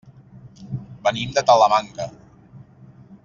Venim de Talamanca.